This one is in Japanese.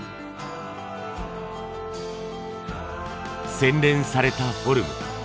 洗練されたフォルム。